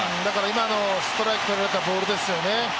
今のストライクとられたボールですよね。